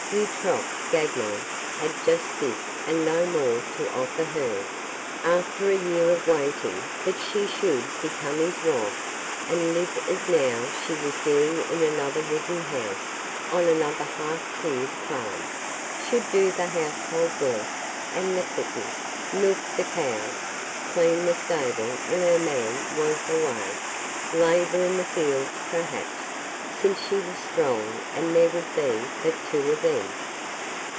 Eutrope Gagnon had just this and no more to offer her: after a year of waiting that she should become his wife, and live as now she was doing in another wooden house on another half cleared farm ... Should do the household work and the cooking, milk the cows, clean the stable when her man was away labour in the fields perhaps, since she was strong and there would be but two of them